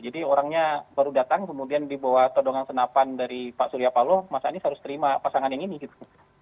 jadi orangnya baru datang kemudian dibawa todongan senapan dari pak surya palu mas anies harus terima pasangan yang ini gitu